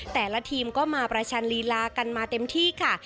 แต่ละทีมก็มาประชันลีลากันมาเต็มที่ค่ะ